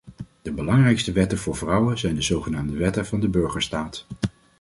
De belangrijkste wetten voor vrouwen zijn de zogenaamde wetten van de burgerstaat.